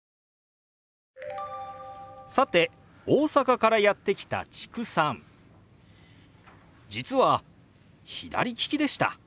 さて大阪からやって来た知久さん実は左利きでした。